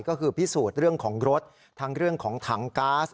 ก็คือพิสูจน์เรื่องของรถทั้งเรื่องของถังก๊าซ